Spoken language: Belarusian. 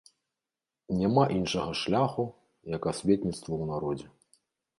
Няма іншага шляху, як асветніцтва ў народзе.